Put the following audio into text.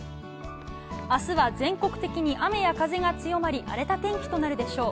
明日は全国的に雨や風が強まり荒れた天気となるでしょう。